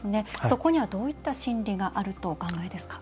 そこにはどういった心理があるとお考えですか？